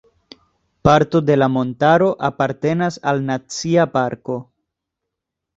Parto de la montaro apartenas al Nacia parko.